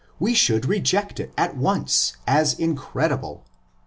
125 we should reject it at once as incredible.